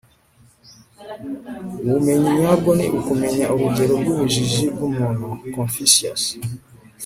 ubumenyi nyabwo ni ukumenya urugero rw'ubujiji bw'umuntu. - confucius